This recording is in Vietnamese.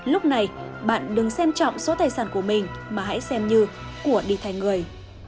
lúc này bạn đừng xem trọng số tài sản của mình mà hãy xem như của đi thành người